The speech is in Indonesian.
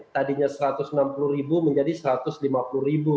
tadinya rp satu ratus enam puluh ribu menjadi satu ratus lima puluh